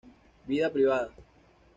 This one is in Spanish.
Vida Privada